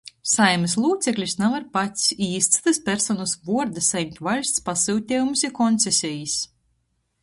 Saeimys lūceklis navar pats i iz cytys personys vuorda sajimt vaļsts pasyutejumus i koncesejis.